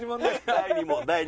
第２問ね。